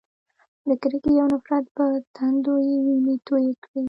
د کرکې او نفرت په تندو یې وینې تویې کړې.